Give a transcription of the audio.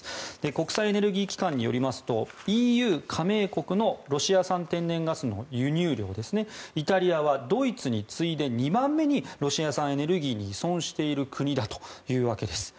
国際エネルギー機関によりますとＥＵ加盟国のロシア産天然ガスの輸入量ですねイタリアはドイツに次いで２番目にロシア産エネルギーに依存している国だということです。